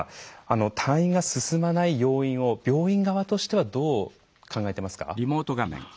退院が進まない要因を病院側としてはどう考えていますか？